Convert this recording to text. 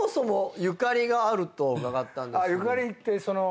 ゆかりってその。